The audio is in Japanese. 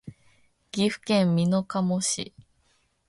岐阜県美濃加茂市